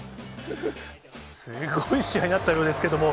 すごい試合だったようですけども。